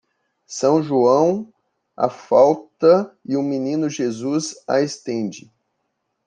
São João a falta e o Menino Jesus a estende.